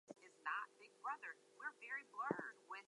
It is an environmentally friendly alternative to regular red diesel.